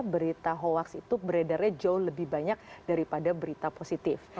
berita hoax itu beredarnya jauh lebih banyak daripada berita positif